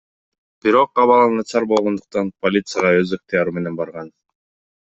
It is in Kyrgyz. Бирок абалы начар болгондуктан полицияга өз ыктыяры менен барган.